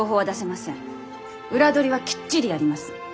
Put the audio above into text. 裏取りはきっちりやります。